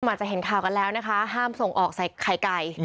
อาจจะเห็นข่าวกันแล้วนะคะห้ามส่งออกใส่ไข่ไก่